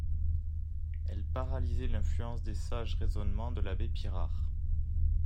Elles paralysaient l'influence des sages raisonnements de l'abbé Pirard.